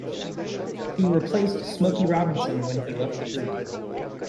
He replaced Smokey Robinson when he left the group.